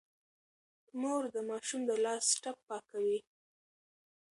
مور د ماشوم د لاس ټپ پاکوي.